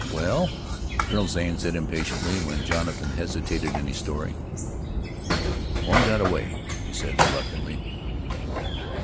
"Well?" Colonel Zane said impatiently, when Jonathan hesitated in his story. "One got away," he said reluctantly.